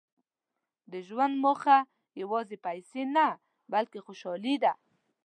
• د ژوند موخه یوازې پیسې نه، بلکې خوشالي ده.